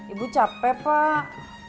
ibu capek pak